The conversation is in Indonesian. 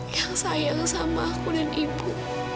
yang sayang sama aku dan ibu